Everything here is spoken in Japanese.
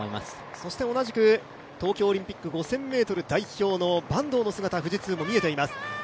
そして同じく東京オリンピック５０００ｍ代表の坂東の姿、富士通も見えています。